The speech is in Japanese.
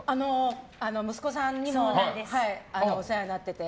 息子さんにもお世話になってて。